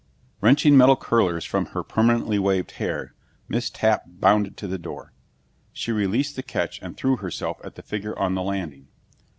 Wrenching metal curlers from her permanently waved hair, Miss Tapp bounded to the door. She released the catch and threw herself at the figure on the landing.